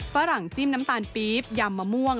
ฝรั่งจิ้มน้ำตาลปี๊บยำมะม่วง